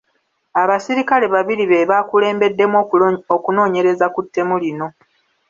Abasirikale babiri be baakulemberamu okunoonyereza ku ttemu lino.